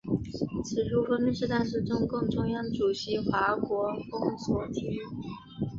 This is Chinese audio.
此书封面是当时中共中央主席华国锋所题。